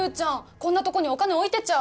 こんなとこにお金置いてちゃ！